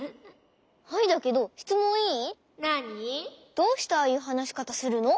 どうしてああいうはなしかたするの？